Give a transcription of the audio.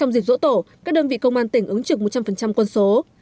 trong dịp dỗ tổ các đơn vị công an tỉnh ứng trực một trăm linh quân số